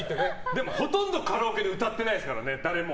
でも、ほとんどカラオケで誰も歌ってないですから。